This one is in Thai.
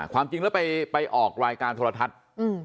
ความจริงแล้วไปออกรายการโทรทัศน์